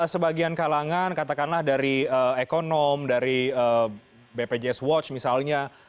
sebagian kalangan katakanlah dari ekonom dari bpjs watch misalnya